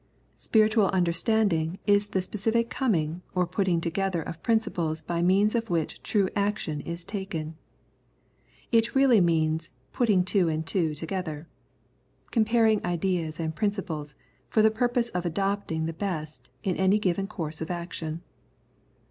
" Spiritual understanding " is the specific coming or putting together of principles by means of which true action is taken. It really means "putting two and two together," comparing ideas and principles, for the pur pose of adopting the best in any given course of action.